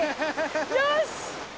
よし！